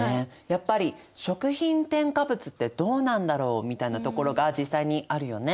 やっぱり食品添加物ってどうなんだろうみたいなところが実際にあるよね。